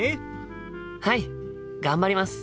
はい頑張ります！